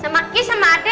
sama kia sama ade